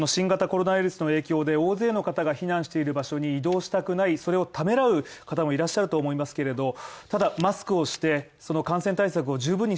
そしてこの新型コロナウイルスの影響で大勢の方が避難している場所に移動したくないそれをためらう方もいらっしゃると思いますけれど。